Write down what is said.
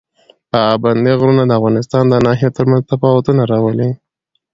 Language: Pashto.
پابندي غرونه د افغانستان د ناحیو ترمنځ تفاوتونه راولي.